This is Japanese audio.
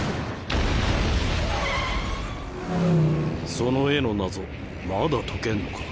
その絵の謎まだ解けんのか？